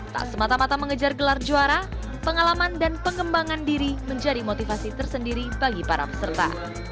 tak semata mata mengejar gelar juara pengalaman dan pengembangan diri menjadi motivasi tersendiri bagi para peserta